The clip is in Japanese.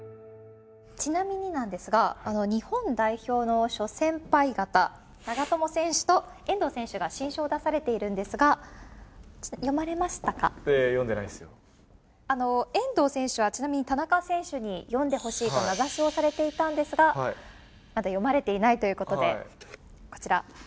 ちなみになんですが、日本代表の諸先輩方、長友選手と遠藤選手が新書を出されているんですが、いやいや、遠藤選手は、ちなみに田中選手に読んでほしいと名指しをされていたんですが、まだ読まれていないということで、こちら。